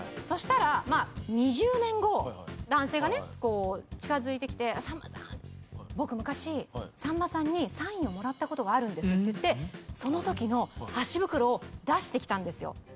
そしたら２０年後男性が近づいてきて「僕昔さんまさんにサインをもらったことがあるんです」ってそのときの箸袋を出してきたんですよ。